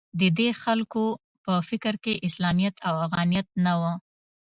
د دې خلکو په فکر کې اسلامیت او افغانیت نه و